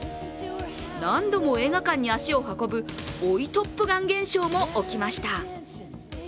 何度も映画館に足を運ぶ追いトップガン現象も起きました。